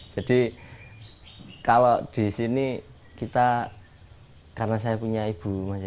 jadi kalau disini kita karena saya punya ibu